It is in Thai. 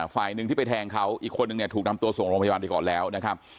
ฝ่ายหนึ่งที่ไปแทงเขาอีกคนนึงเนี่ยถูกนำตัวส่งโรงพยาบาลไปก่อนแล้วนะครับ